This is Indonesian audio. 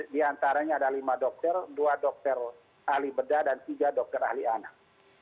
di antaranya ada lima dokter dua dokter ahli bedah dan tiga dokter ahli anak